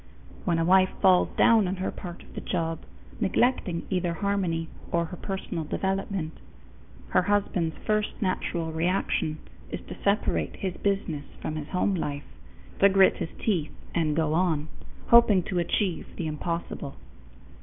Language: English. When a wife falls down on her part of the job, neglecting either harmony or her personal development, her husband's first natural reaction is to separate his business from his home life to grit his teeth and go on, hoping to achieve the impossible.